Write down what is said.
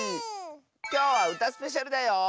きょうは「うたスペシャル」だよ！